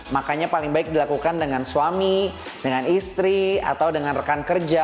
makanya paling baik dilakukan dengan suami dengan istri atau dengan rekan kerja